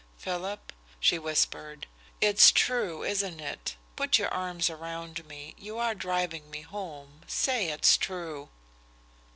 "Philip," she whispered, "it's true, isn't it? Put your arms around me. You are driving me home say it's true!"